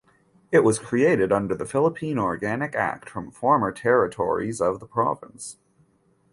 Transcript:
It was created under the Philippine Organic Act from former territories of the province.